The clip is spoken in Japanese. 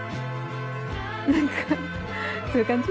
何かそういう感じ？